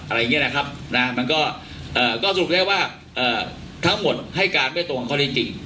อะไรอย่างนี้นะครับนะมันก็สรุปได้ว่าทั้งหมดให้การไม่ตรงข้อได้จริง